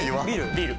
ビール？